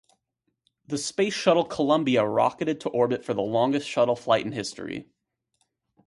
The Space Shuttle "Columbia" rocketed to orbit for the longest Shuttle flight in history.